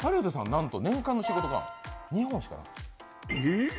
なんと年間の仕事が２本しかなかったえーっ！